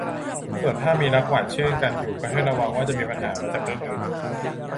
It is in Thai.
ส่วนถ้ามีรักหวานชื่นกันอยู่ก็ให้ระวังว่าจะมีปัญหามาจากเรื่องอื่น